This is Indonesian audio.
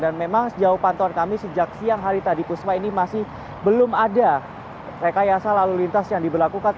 dan memang sejauh pantauan kami sejak siang hari tadi puspa ini masih belum ada rekayasa lalu lintas yang diberlakukan